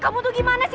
kamu tuh gimana sih